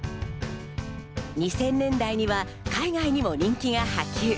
２０００年代には海外にも人気が波及。